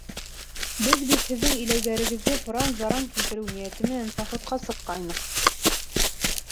— Беҙ бит һеҙҙең иләүҙәрегеҙҙе пыран-заран килтереү ниәте менән походҡа сыҡҡайныҡ.